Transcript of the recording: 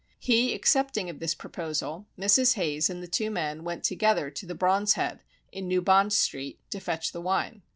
He accepting of this proposal, Mrs. Hayes and the two men went together to the Brawn's Head, in New Bond Street, to fetch the wine.